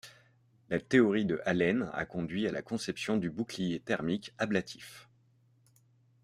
La théorie de Allen a conduit à la conception du bouclier thermique ablatif.